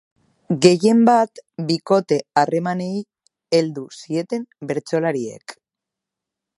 Gehienbat, bikote-harremanei heldu zieten bertsolariek.